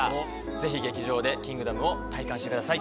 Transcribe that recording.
ぜひ劇場で『キングダム』を体感してください。